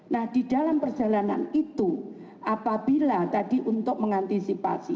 nah di dalam perjalanan itu apabila tadi untuk mengantisipasi